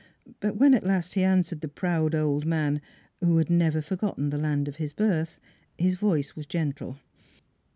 But when at last he answered the proud old man, who had never forgotten the land of his birth, his voice was gentle.